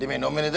diminumin itu ya